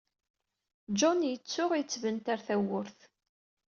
John yettuɣ yettbenter tawurt.